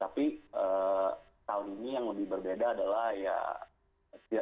tapi tahun ini yang lebih berbeda adalah ya